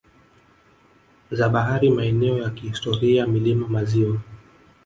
za bahari maeneo ya kihistoria milima maziwa